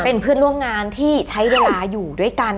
เป็นเพื่อนร่วมงานที่ใช้เวลาอยู่ด้วยกัน